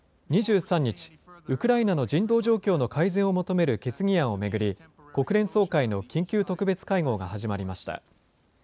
２３日、ウクライナの人道状況の改善を求める決議案を巡り、国連総会の緊急特別会合が始まりました。